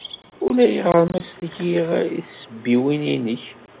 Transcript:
Ulayɣer ma sliɣ i tsebbiwin-nnek.